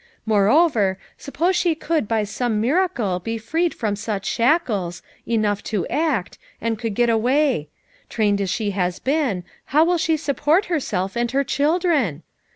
Moreover, suppose she could by some miracle be freed from such shackles, enough to act, and could get away; trained as she has been, how will she support herself and her children?